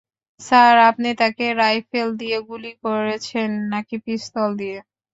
Sir, আপনি তাকে rifle দিয়ে গুলি করেছেন নাকি পিস্তল দিয়ে?